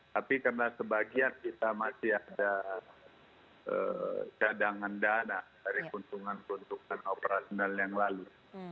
tapi karena sebagian kita masih ada cadangan dana dari keuntungan keuntungan operasional yang lalu